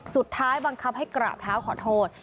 สุดท้ายบังคับให้กราบเท้าขอโทษ